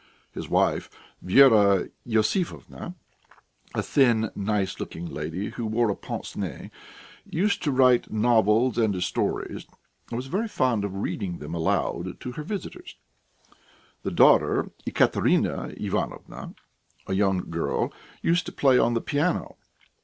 His wife, Vera Iosifovna a thin, nice looking lady who wore a pince nez used to write novels and stories, and was very fond of reading them aloud to her visitors. The daughter, Ekaterina Ivanovna, a young girl, used to play on the piano.